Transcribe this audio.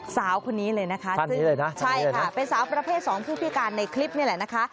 สาวคนนี้เลยนะคะใช่ค่ะเป็นสาวประเภทสองผู้พิการในคลิปนี่แหละนะคะ